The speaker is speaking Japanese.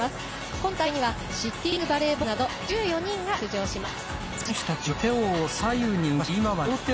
今大会にはシッティングバレーボールなど１４人が出場します。